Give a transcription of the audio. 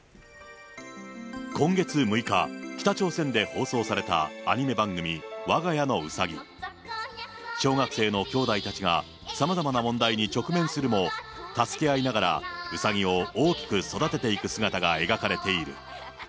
今月６日、北朝鮮で放送されたアニメ番組、わが家のウサギ。小学生の兄弟たちがさまざまな問題に直面するも、助け合いながらうさぎを大きく育てていく姿が描かれている。